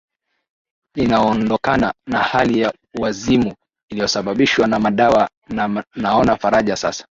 ninaondokana na hali ya uwazimu iliyosababishwa na madawa na naona faraja sasa